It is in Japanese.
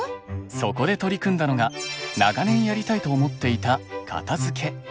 そこで取り組んだのが長年やりたいと思っていた片づけ。